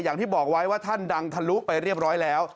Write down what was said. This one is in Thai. อย่างที่บอกไว้ว่าท่านดังทะลุไปเรียบร้อยแล้ว